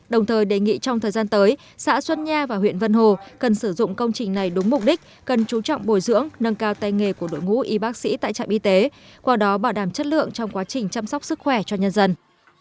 đồng thời đề nghị trong thời gian tới xã xuân nha và huyện vân hồ cần sử dụng công trình này đúng mục đích cần chú trọng bồi dưỡng nâng cao tay nghề của đội ngũ y bác sĩ tại trạm y tế qua đó bảo đảm chất lượng trong quá trình chăm sóc sức khỏe cho nhân dân